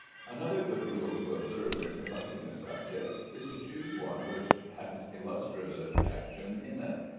Another good rule to observe in selecting a subject is to choose one which has illustrative action in it.